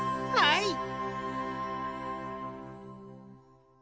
はい！